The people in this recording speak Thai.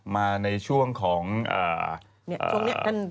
มาในช่วงคืของ